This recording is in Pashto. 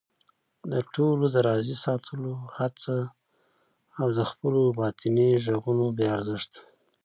د ټولو د راضي ساتلو حڅه او د خپلو باطني غږونو بې ارزښته